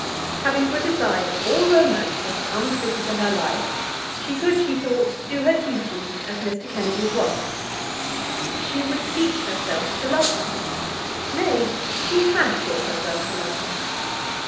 Having put aside all romance as unfitted to her life, she could, she thought, do her duty as Mr. Kennedy's wife. She would teach herself to love him. Nay, she had taught herself to love him.